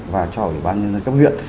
và cho bởi ban nhân dân các huyện